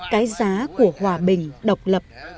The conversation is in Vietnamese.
cái giá của hòa bình độc lập